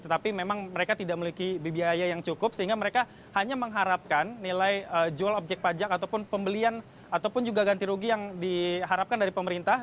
tetapi memang mereka tidak memiliki biaya yang cukup sehingga mereka hanya mengharapkan nilai jual objek pajak ataupun pembelian ataupun juga ganti rugi yang diharapkan dari pemerintah